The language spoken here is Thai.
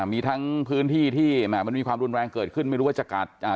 มีทั้งพื้นที่ที่แหม่มันมีความรุนแรงเกิดขึ้นไม่รู้ว่าจะกัดอ่า